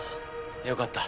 よかった。